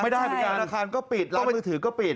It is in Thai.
ไม่ได้ธนาคารก็ปิดร้านมือถือก็ปิด